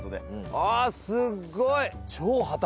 ああすっごい。